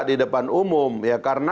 di depan umum ya karena